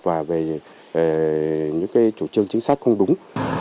và về những cái chủ trương chính xác không đúng